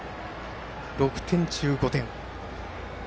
６点中５点。